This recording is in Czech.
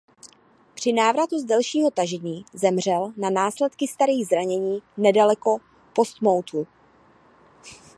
Při návratu z dalšího tažení zemřel na následky starých zranění nedaleko Portsmouthu.